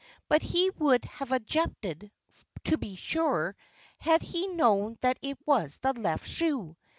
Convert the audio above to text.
But he would have objected, to be sure, had he known that it was the left shoe.